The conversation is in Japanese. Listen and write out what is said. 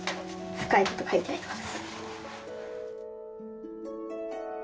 深いこと書いてあります。